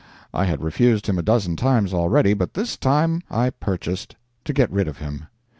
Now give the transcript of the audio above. I had refused him a dozen times already, but this time I purchased, to get rid of him.